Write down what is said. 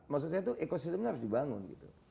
maksud saya itu ekosistemnya harus dibangun gitu